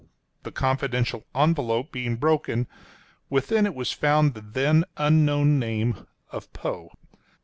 The confidential envelop being broken, within it was found the then unknown name of Poe.